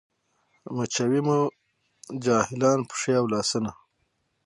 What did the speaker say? مچوي مو جاهلان پښې او لاسونه